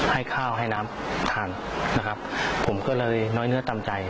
ให้ข้าวให้น้ำทานนะครับผมก็เลยน้อยเนื้อตามใจ